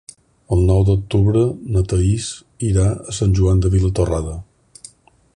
El nou d'octubre na Thaís irà a Sant Joan de Vilatorrada.